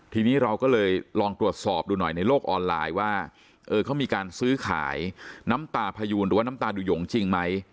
ทีนี้เราก็เลยลองตรวจสอบดูหน่อยในโลกออนไลน์ว่าเขามีการซื้อขายน้ำตาพยูนหรือว่าน้ำตาดูหยงจริงไหม